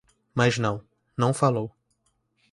Mas não; não falou